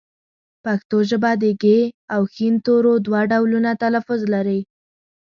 پښتو ژبه د ږ او ښ تورو دوه ډولونه تلفظ لري